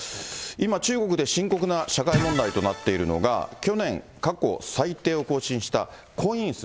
今、中国で深刻な社会問題となっているのが、去年、過去最低を更新した婚姻数。